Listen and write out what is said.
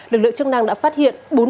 lực lượng chức năng đã phát hiện